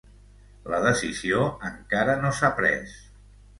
La decisió encara no s’ha pres.